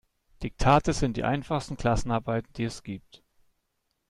Diktate sind die einfachsten Klassenarbeiten, die es gibt.